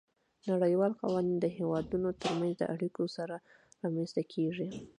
نړیوال قوانین د هیوادونو ترمنځ د اړیکو سره رامنځته کیږي